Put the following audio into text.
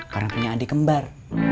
karena punya adik kembar